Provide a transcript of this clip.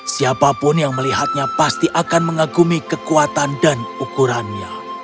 siapapun yang melihatnya pasti akan mengagumi kekuatan dan ukurannya